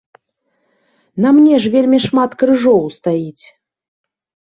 На мне ж вельмі шмат крыжоў стаіць!